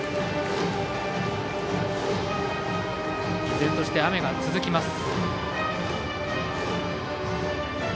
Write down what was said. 依然として雨が続きます。